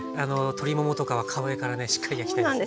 鶏ももとかは皮目からねしっかり焼きたいですよね。